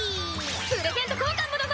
プレゼント交換もだぞ！